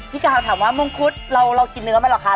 พี่ก้าวถามว่ามุมพุทรเรากินเนื้อมั้ยหรอกคะ